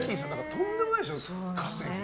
とんでもないでしょ、稼ぎ。